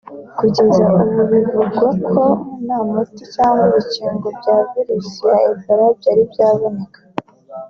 Kugeza ubu bivugwa ko nta muti cyangwa urukingo bya virusi ya Ebola byari byaboneka